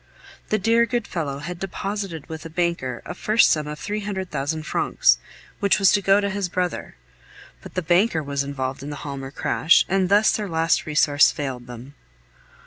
The dear, good fellow had deposited with a banker a first sum of three hundred thousand francs, which was to go to his brother, but the banker was involved in the Halmer crash, and thus their last resource failed them.